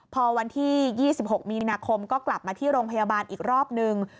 พอวันที่๒๖มีนาคมก็กลับมาที่โรงพยาบาลอีกรอบนึง